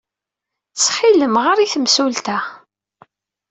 Ttxil-m, ɣer i temsulta.